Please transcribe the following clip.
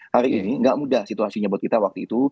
hari ini nggak mudah situasinya buat kita waktu itu